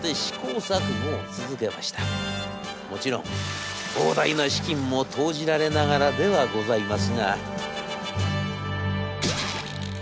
もちろん膨大な資金も投じられながらではございますが」。